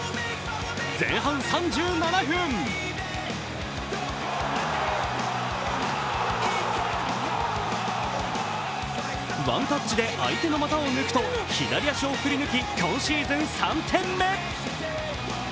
前半３７分、ワンタッチで相手の股を抜くと左足を振り抜き今シーズン３点目。